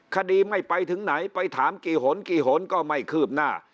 คดีไม่ไปถึงไหนไปถามกี่หนกี่หนก็ไม่คืบหน้า